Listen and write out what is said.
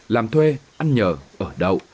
làm thuê ăn nhờ ở đâu